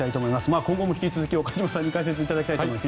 今後も引き続き岡島さんに解説していただきたいと思います。